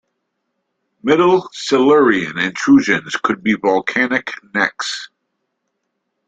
Middle Silurian intrusions could be volcanic necks.